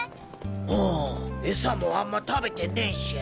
ああエサもあんま食べてねし。